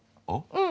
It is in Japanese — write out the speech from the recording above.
うん。